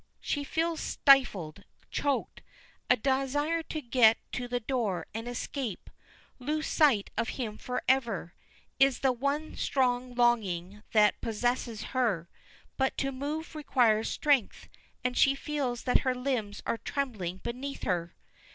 She feels stifled; choked. A desire to get to the door, and escape lose sight of him forever is the one strong longing that possesses her; but to move requires strength, and she feels that her limbs are trembling beneath her.